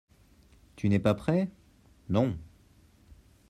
Tu n'es pas prêt ? Non.